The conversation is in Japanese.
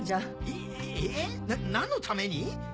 えっ何のために？